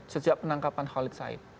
sejak penangkapan khalid said